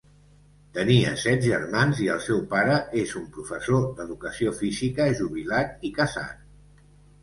Tenia set germans, i el seu pare és un professor d'educació física jubilat i casat.